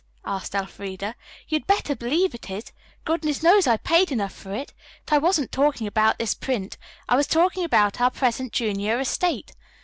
asked Elfreda. "You'd better believe it is. Goodness knows I paid enough for it. But I wasn't talking about this print. I was talking about our present junior estate.